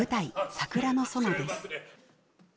「桜の園」です